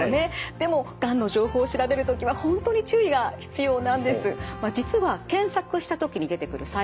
でもがんの情報を調べる時は本当に注意が必要なんです。